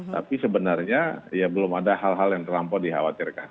tapi sebenarnya ya belum ada hal hal yang terlampau dikhawatirkan